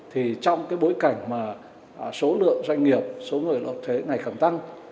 thì trong cái bối cảnh mà số lượng doanh nghiệp số người nộp thuế ngày cầm tăng